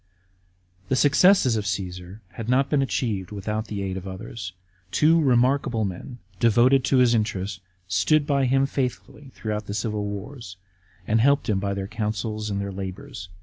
§ 2. The successes of Caasar had not been achieved without the aid of others. Two remarkable men, devoted to his interests, stood by him faithfully throughout the civil wars, and helped him by their counsels and their lahours.